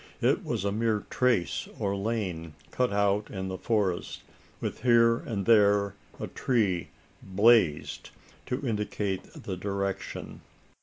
It was a mere trace, or lane, cut out in the forest with here and there a tree "blazed," to indicate the direction.